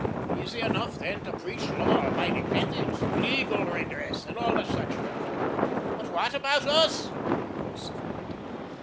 Easy enough then to preach law abiding methods, legal redress, and all such rot. But how about US?" he vociferated.